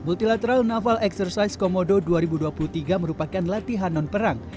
multilateral naval exercise komodo dua ribu dua puluh tiga merupakan latihan non perang